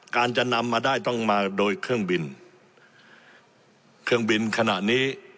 การจะนำมาได้ต้องมาโดยเครื่องบินเครื่องบินขณะนี้